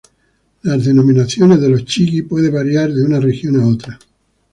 Las denominaciones de los "chigi" pueden variar de una región a otra.